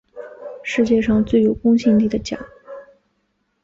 世界上最有公信力的奖